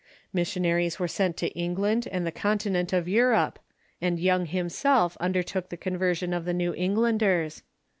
Missionaries were sent to England and the continent of Europe, and Young himself undertook the conversion of the New Englanders.